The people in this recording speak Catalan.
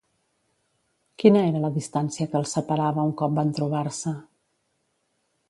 Quina era la distància que els separava un cop van trobar-se?